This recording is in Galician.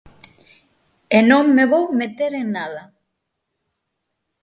E non me vou meter en nada.